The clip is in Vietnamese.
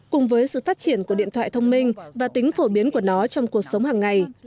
cùng với sự phát triển của điện thoại thông minh và tính phổ biến của nó trong cuộc sống hàng ngày